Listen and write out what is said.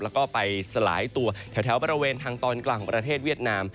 แล้วก็ไปสลายตัวแถวบริเวณทางตอนกลางของประเทศเวียดนาม